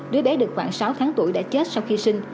đứa bé được khoảng sáu tháng tuổi đã chết sau khi sinh